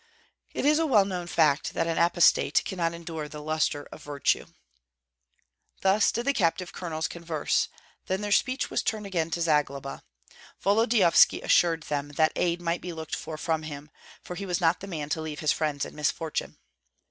"It is a well known fact that an apostate cannot endure the lustre of virtue." Thus did the captive colonels converse; then their speech was turned again to Zagloba. Volodyovski assured them that aid might be looked for from him, for he was not the man to leave his friends in misfortune.